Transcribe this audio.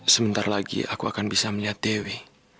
sebentar lagi aku akan bisa melihat dewi